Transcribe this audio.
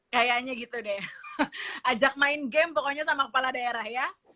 kayaknya gitu deh ajak main game pokoknya sama kepala daerah ya